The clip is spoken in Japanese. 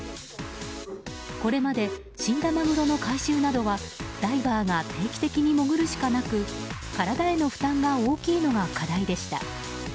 これまで死んだマグロの回収などはダイバーが定期的に潜るしかなく体への負担が大きいのが課題でした。